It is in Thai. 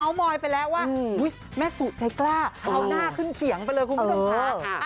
มอยไปแล้วว่าแม่สุใจกล้าเอาหน้าขึ้นเขียงไปเลยคุณผู้ชมค่ะ